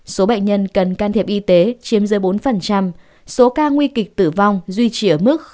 số bệnh nhân cần can thiệp y tế chiếm dưới bốn